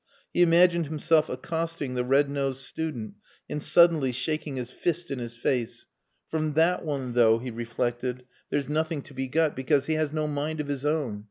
He imagined himself accosting the red nosed student and suddenly shaking his fist in his face. "From that one, though," he reflected, "there's nothing to be got, because he has no mind of his own.